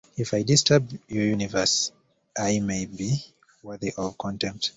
If I disturb your universe I may be worthy of contempt.